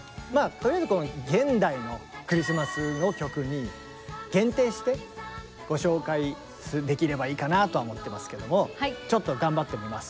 とりあえずこの現代のクリスマスの曲に限定してご紹介できればいいかなとは思ってますけどもちょっと頑張ってみます。